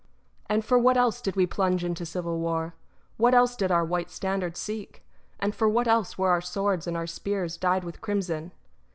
And for what else did we plunge into civil war? What else did our white standards seek? And for what else were our swords and our spears dyed with crimson?